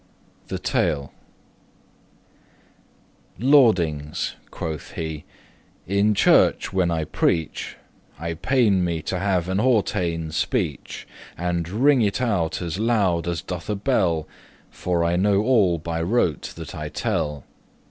THE TALE <1> Lordings (quoth he), in churche when I preach, I paine me to have an hautein* speech, *take pains loud <2> And ring it out, as round as doth a bell, For I know all by rote that I tell.